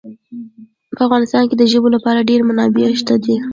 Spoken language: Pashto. په افغانستان کې د ژبو لپاره ډېرې منابع شته دي.